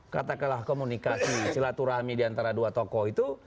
kata kata komunikasi silaturahmi diantara dua tokoh itu